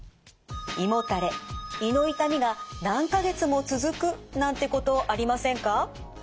胃もたれ胃の痛みが何か月も続くなんてことありませんか？